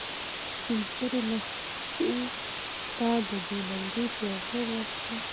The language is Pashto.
سپین سرې لښتې ته د بې ننګۍ پېغور ورکړ.